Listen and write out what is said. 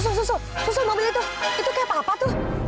susul susul susul mobil itu itu kayak papa tuh